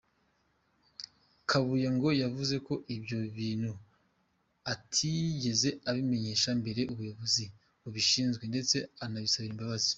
Kabuye ngo yavuze ko ibyo bintu atigeze abimenyesha mbere ubuyobozi bubishinzwe ndetse anabisabira imbabazi.